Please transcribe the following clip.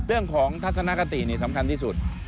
เรื่องของทัศนคตินี่สำคัญที่สุด